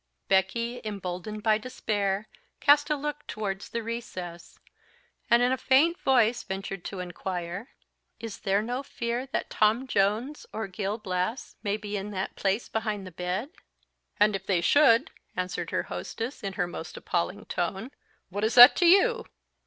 Becky, emboldened by despair, cast a look towards the recess; and in a faint voice ventured to inquire, "Is there no fear that Tom Jones or Gil Blas may be in that place behind the bed?" "And if they should," answered her hostess in her most appalling tone, "what is that to you?